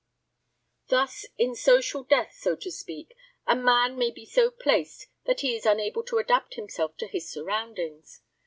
Thus, in social death, so to speak, a man may be so placed that he is unable to adapt himself to his surroundings.